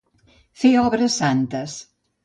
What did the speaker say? Fer obres santes.